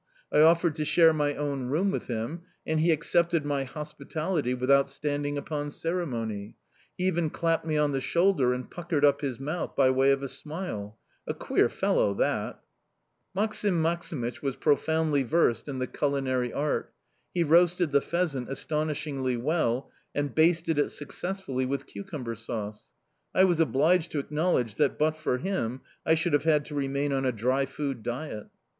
I offered to share my own room with him, and he accepted my hospitality without standing upon ceremony; he even clapped me on the shoulder and puckered up his mouth by way of a smile a queer fellow, that!... Maksim Maksimych was profoundly versed in the culinary art. He roasted the pheasant astonishingly well and basted it successfully with cucumber sauce. I was obliged to acknowledge that, but for him, I should have had to remain on a dry food diet.